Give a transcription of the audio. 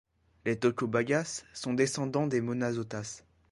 Les Tocobagas sont descendants des Manasotas.